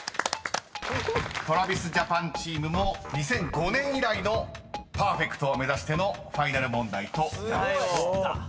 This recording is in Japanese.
［ＴｒａｖｉｓＪａｐａｎチームも２００５年以来のパーフェクトを目指してのＦＩＮＡＬ問題となります］